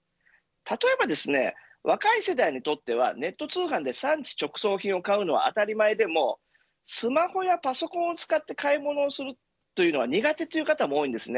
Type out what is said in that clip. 例えば、若い世代にとってはネット通販で産地直送品を買うのは当たり前でもスマホやパソコンを使って買い物をするというのは苦手という方も多いです。